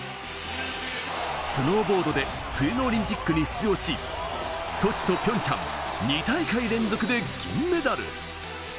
スノーボードで冬のオリンピックに出場し、ソチとピョンチャン、２大会連続で銀メダル。